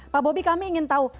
pak bobi kami ingin tahu